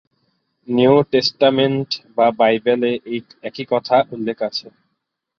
New Testament বা Bible এ একই কথা উল্লেখ আছে।